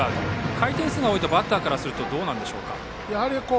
回転数が多いとバッターからするとどうなんでしょうか？